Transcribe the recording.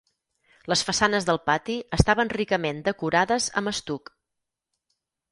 Les façanes del pati estaven ricament decorades amb estuc.